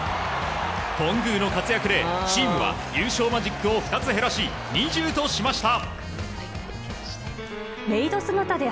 頓宮の活躍でチームは優勝マジックを２つ減らし２０としました。